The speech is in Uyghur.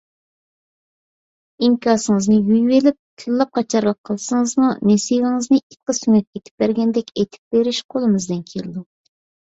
ئىنكاسىڭىزنى يۇيۇۋېلىپ تىللاپ قاچارلىق قىلسىڭىزمۇ نېسىۋېڭىزنى ئىتقا سۆڭەك ئېتىپ بەرگەندەك ئېتىپ بېرىش قولىمىزدىن كېلىدۇ.